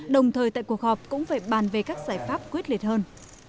đồng thời tại cuộc họp cũng phải bàn về các giải pháp quyết liệt hơn